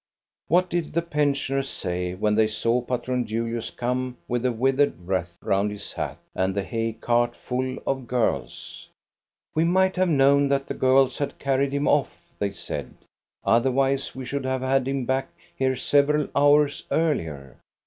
What did the pensioners say when they saw Patron Julius come with a withered wreath round his hat, and the hay cart full of girls } "We might have known that the girls had carried him off," they said; "otherwise we should have had him back here several hours earlier."